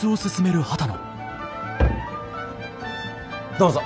どうぞ。